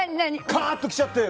かーときちゃって。